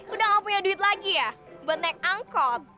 udah gak punya duit lagi ya buat naik angkot